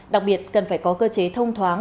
đặc biệt cần phải có cơ chế thông thoáng